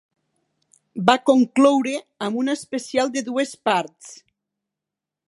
Va concloure amb un especial de dues parts.